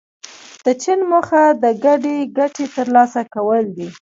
د چین موخه د ګډې ګټې ترلاسه کول دي.